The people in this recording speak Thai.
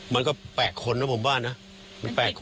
มันก็แปลกคนนะผมว่านะมันแปลกคน